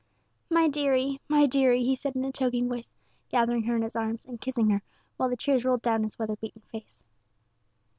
"My deary, my deary," he said, in a choking voice, gathering her in his arms, and kissing her, while the tears rolled down his weather beaten face.